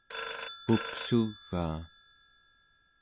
pupsugaa